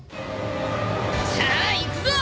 さあ行くぞ！